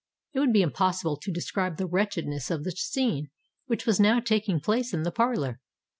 It would be impossible to describe the wretchedness of the scene which was now taking place in the parlour.